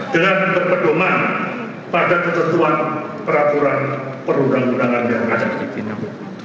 dengan berpendonan pada ketentuan peraturan perundang undangan yang akan diperlukan